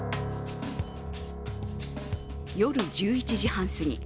夜１１時半過ぎ。